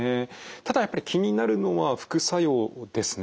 ただやっぱり気になるのは副作用ですね。